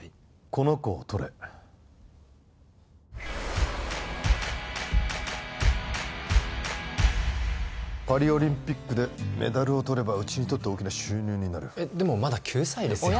この子をとれパリオリンピックでメダルをとればうちにとって大きな収入になるえっでもまだ９歳ですよ